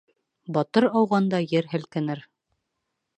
Батыр ауғанда ер һелкенер.